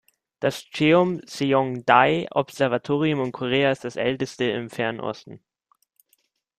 Das Cheomseongdae-Observatorium in Korea ist das älteste im Fernen Osten.